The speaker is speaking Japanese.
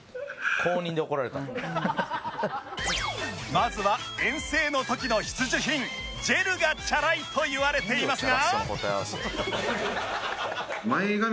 まずは遠征の時の必需品ジェルがチャラいと言われていますが